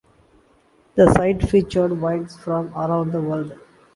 The site featured wines from around the world.